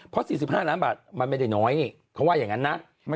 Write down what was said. เพราะ๔๕ล้านบาทมันไม่ได้น้อยนี่เขาว่าอย่างนั้นนะ